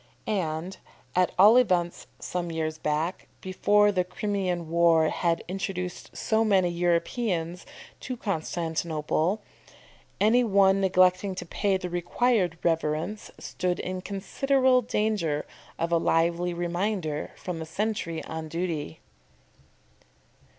And at all events some years back, before the Crimean war had introduced so many Europeans to Constantinople any one neglecting to pay the required reverence, stood in considerable danger of a lively reminder from the sentry on duty.